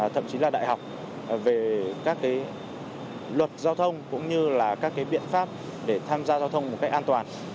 thậm chí là đại học về các luật giao thông cũng như là các biện pháp để tham gia giao thông một cách an toàn